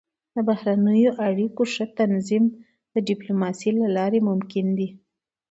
د بهرنیو اړیکو ښه تنظیم د ډيپلوماسۍ له لارې ممکن دی.